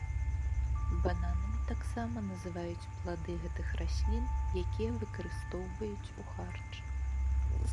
Бананамі таксама называюць плады гэтых раслін, якія выкарыстоўваюць у харч.